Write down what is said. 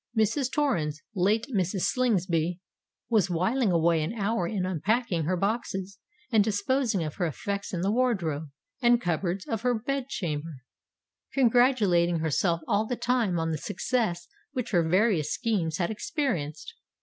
Mrs. Torrens—late Mrs. Slingsby—was whiling away an hour in unpacking her boxes and disposing of her effects in the wardrobe and cupboards of her bed chamber; congratulating herself all the time on the success which her various schemes had experienced.